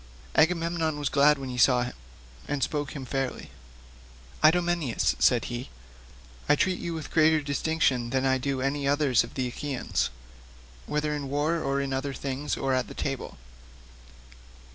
Agamemnon was glad when he saw him, and spoke him fairly. "Idomeneus," said he, "I treat you with greater distinction than I do any others of the Achaeans, whether in war or in other things, or at table.